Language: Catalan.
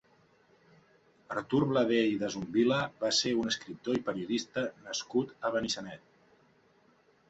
Artur Bladé i Desumvila va ser un escriptor i periodista nascut a Benissanet.